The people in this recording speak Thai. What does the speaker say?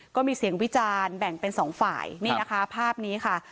ก็มีเสียงวิจารณ์แบ่งเป็นสองฝ่ายนี่นะคะภาพนี้ค่ะ